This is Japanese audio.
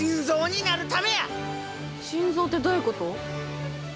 心臓ってどういうこと？